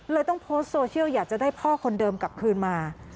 ต้องโพสต์โซเชียลอยากจะได้พ่อคนเดิมกลับคืนมา